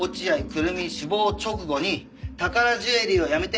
久瑠実死亡直後に宝ジュエリーを辞めて